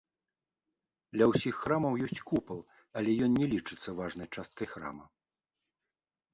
Ля ўсіх храмаў ёсць купал, але ён не лічыцца важнай часткай храма.